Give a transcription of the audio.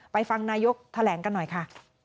ฟังนายกแถลงกันหน่อยค่ะ